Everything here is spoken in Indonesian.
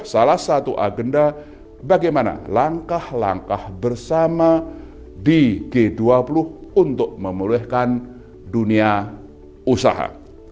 salah satu agenda bagaimana langkah langkah bersama di g dua puluh untuk memulihkan dunia usaha